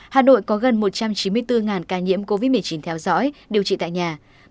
hà nội có gần một trăm chín mươi bốn ca nhiễm covid một mươi chín theo dõi điều trị tại nhà